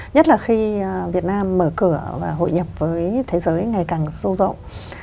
nhất là khi việt nam mở cửa và hội nhập với thế giới ngày càng sâu rộng